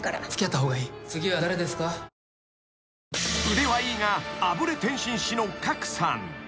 ［腕はいいがあぶれ点心師の郭さん］